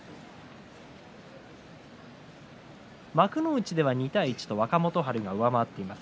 幕内では２対１と若元春が上回っています。